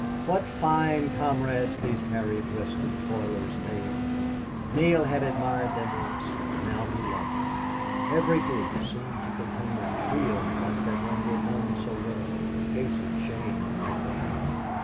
What fine comrades these hairy breasted toilers made! Neale had admired them once; now he loved them. Every group seemed to contain a trio like that one he had known so well Casey, Shane, and McDermott.